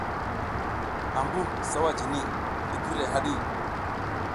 Ambuh sawa jini, i gir le haɗi.